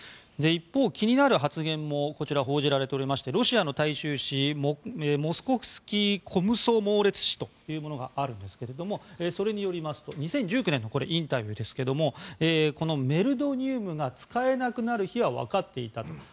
一方、気になる発言も報じられていましてロシアの大衆紙モスコフスキー・コムソモーレツ紙というものがあるんですけれどもそれによりますと２０１９年のインタビューでこのメルドニウムが使えなくなる日は分かっていたと。